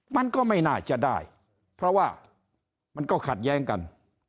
มันก็ไม่น่าจะได้เพราะว่ามันก็ขัดแย้งกัน